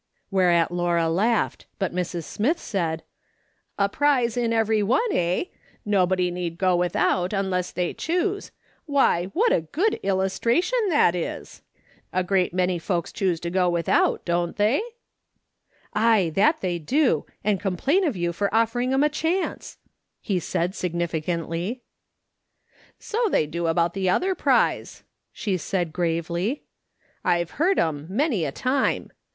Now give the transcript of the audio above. Whereat Laura laughed ; but ]\Irs. Smith said :" A prize in every one, eh ? Nobody need go without unless they choose. AVhy, what a good illustration that is !""/ THINK AND MRS. SMITH DOES. 67 " A great many folks clioose to go without, don't tliey ?"" Ay, that they do ; and complain of you for o'.lering them a chance," he said significantly. " So they do about the other prize," she said gravely. " I've heard 'em, many a time.